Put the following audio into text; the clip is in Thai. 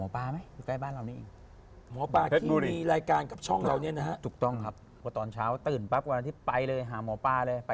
ตัวเขาหนักไปหมดเลย